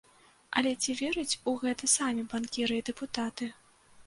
Але ці вераць у гэта самі банкіры і дэпутаты?